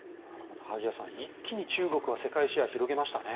萩谷さん、一気に中国は世界シェアを広げましたね。